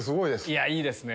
いやいいですね。